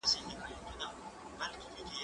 زه پرون انځور ګورم وم!.